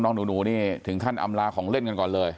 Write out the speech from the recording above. หนูนี่ถึงขั้นอำลาของเล่นกันก่อนเลย